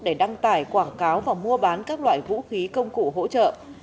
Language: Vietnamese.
để đăng tải quảng cáo và mua bán các loại vũ khí công cụ hỗ trợ